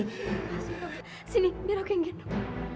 mas yifat sini biar aku yang ngendong